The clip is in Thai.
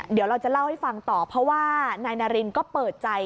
เดี๋ยวเราจะเล่าให้ฟังต่อเพราะว่านายนารินก็เปิดใจ